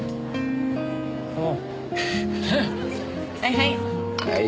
はいはい。